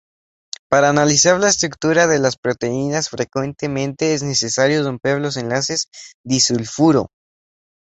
Para analizar la estructura de las proteínas, frecuentemente es necesario romper los enlaces disulfuro.